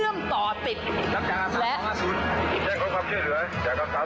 ของท่านได้เสด็จเข้ามาอยู่ในความทรงจำของคน๖๗๐ล้านคนค่ะทุกท่าน